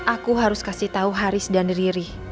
aku harus kasih tahu haris dan riri